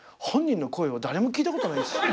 本人の声を誰も聞いたことないです。